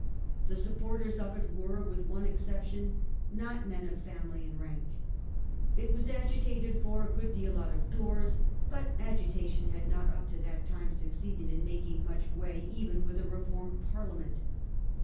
The supporters of it were, with one exception, not men of family and rank. It was agitated for a good deal out of doors, but agitation had not up to that time succeeded in making much way even with a reformed Parliament.